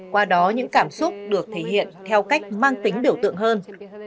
qua đó những cảm xúc được thể hiện theo cách mang tính biểu tượng hơn